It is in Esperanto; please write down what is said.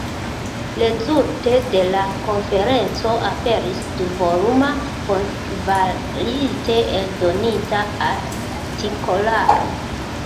Rezulte de la konferenco aperis du-voluma bonkvalite eldonita artikolaro.